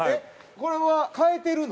これは替えてるの？